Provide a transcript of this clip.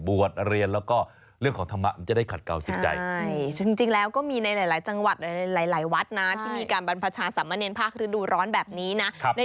บวชเรียนแล้วก็เรียกถไมะ